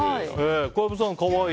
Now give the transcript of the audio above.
小籔さん、可愛い。